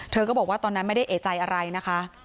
ก็บอกว่าตอนนั้นไม่ได้เอกใจอะไรนะคะ